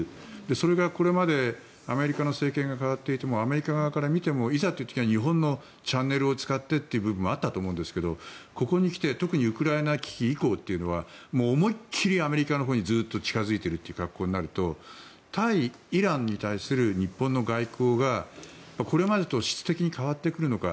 それがこれまでアメリカの政権が代わっていってもアメリカ側から見てもいざという時は日本のチャンネルを使ってという部分があったと思うんですがここに来て、特にウクライナ危機以降というのは思いっ切りアメリカのほうにずっと近付いているという格好になると対イランに対する日本の外交がこれまでと質的に変わってくるのか